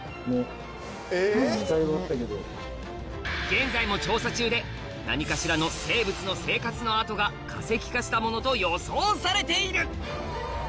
現在も調査中で何かしらの生物の生活の跡が化石化したものと予想されている